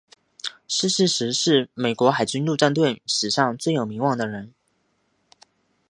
逝世时是美国海军陆战队历史上最有名望的人。